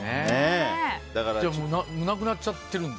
じゃあなくなっちゃってるんだ。